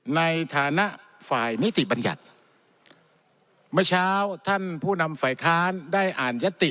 ในฐานะฝ่ายนิติบัญญัติเมื่อเช้าท่านผู้นำฝ่ายค้านได้อ่านยติ